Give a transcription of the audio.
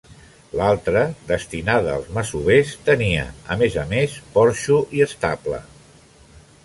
L'altra, destinada als masovers, tenia a més a més porxo i estable.